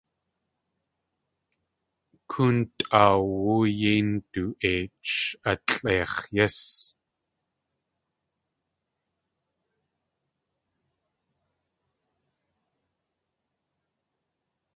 Kóon tʼaawú yéi ndu.eich alʼeix̲ yís.